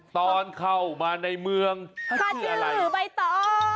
ตอนเข้ามาในเมืองท่านชื่อใบตอง